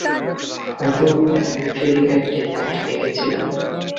হতেও পারে আমি ফেরিঘাটে তাকে দেখেছিলাম।